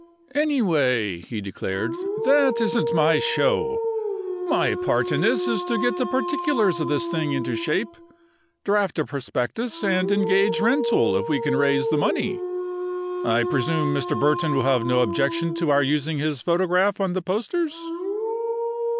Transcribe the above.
"Anyway," he declared, "that isn't my show. My part is to get the particulars of this thing into shape, draft a prospectus, and engage Rentoul if we can raise the money. I presume Mr. Burton will have no objection to our using his photograph on the posters?"